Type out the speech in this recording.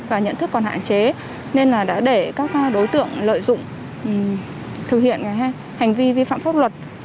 và nhận thức còn hạn chế nên là đã để các đối tượng lợi dụng thực hiện hành vi vi phạm pháp luật